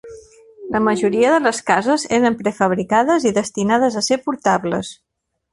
La majoria de les cases eren prefabricades i destinades a ser portables.